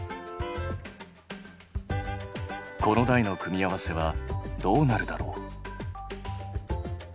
子の代の組み合わせはどうなるだろう？